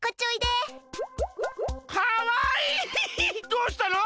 どうしたの？